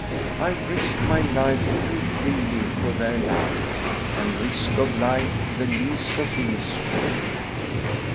I've risked my life too freely for their love; * And risk of life the least of ills shall be.